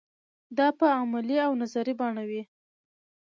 دا په عملي او نظري بڼه وي.